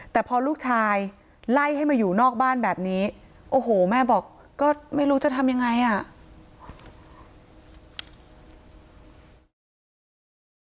แต่พอลูกชายไล่ให้มาอยู่นอกบ้านแบบนี้โอ้โหแม่บอกก็ไม่รู้จะทำยังไงอ่ะ